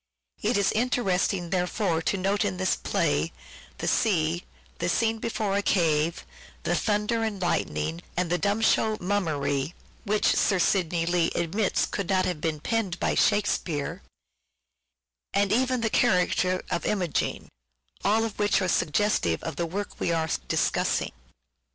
It is interesting, therefore, to note in this play, the sea, the scene before a cave, the thunder and lightning, and the dumb show " mummery " (which Sir Sidney Lee admits could not have been penned by " Shakespeare "), and even the character of Imogen : all of which are suggestive of the work we are discussing.